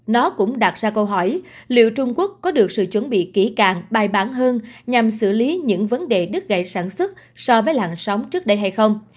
nó cũng đặt ra câu hỏi liệu trung quốc có được sự chuẩn bị kỹ càng bài bản hơn nhằm xử lý những vấn đề đứt gãy sản xuất so với làn sóng trước đây hay không